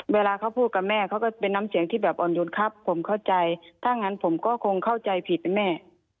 เวลาเขาพูดกับแม่เขาก็เป็นน้ำเสียงที่แบบอ่อนโยนครับผมเข้าใจถ้างั้นผมก็คงเข้าใจผิดนะแม่